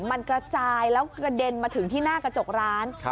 มันกระจายแล้วกระเด็นมาถึงที่หน้ากระจกร้าน